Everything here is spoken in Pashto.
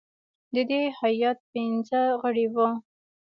د دې هیات پنځه غړي وه.